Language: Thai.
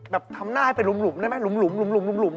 ทำหน้าให้เป็นหลุมได้ไหมหลุม